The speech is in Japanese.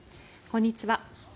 こんにちは。